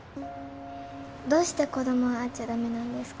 どうして子供は会っちゃ駄目なんですか？